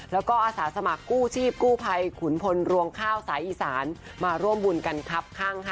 แล้วก็อาสาสมัครกู้ชีพกู้ภัยขุนพลรวงข้าวสายอีสานมาร่วมบุญกันครับข้างค่ะ